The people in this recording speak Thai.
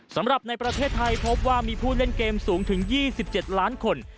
สำหรับในประเทศไทยพบว่ามีผู้เล่นเกมสูงถึง๒๗ล้านคน